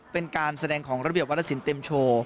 เป็นการแสดงของระเบียบวรสินเต็มโชว์